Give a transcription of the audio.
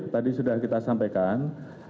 tadi sudah kita sampaikan